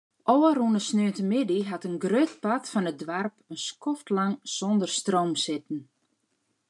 Ofrûne sneontemiddei hat in grut part fan it doarp in skoftlang sonder stroom sitten.